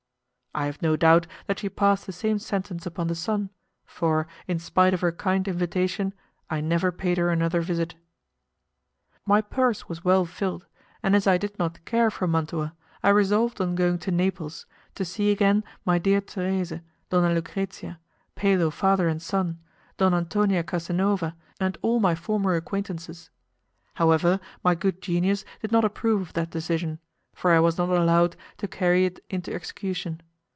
I have no doubt that she passed the same sentence upon the son, for, in spite of her kind invitation, I never paid her another visit. My purse was well filled, and as I did not care for Mantua, I resolved on going to Naples, to see again my dear Thérèse, Donna Lucrezia, Palo father and son, Don Antonio Casanova, and all my former acquaintances. However, my good genius did not approve of that decision, for I was not allowed to carry it into execution.